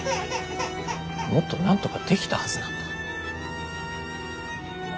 もっとなんとかできたはずなんだ。